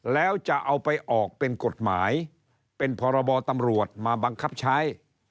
แล้วจะเอาไปออกเป็นกฎหมายเป็นพรบตำรวจมาบังคับใช้